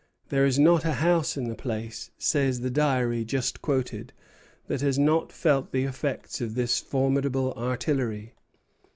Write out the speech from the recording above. "There is not a house in the place," says the Diary just quoted, "that has not felt the effects of this formidable artillery.